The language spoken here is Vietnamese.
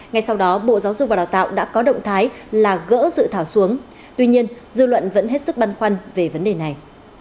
ngay sau đó bộ giáo dục và đào tạo đã có động thái là gỡ dự thảo xuống tuy nhiên dư luận vẫn hết sức băn khoăn về vấn đề này